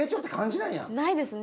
ないですね。